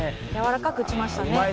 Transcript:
やわらかく打ちましたね。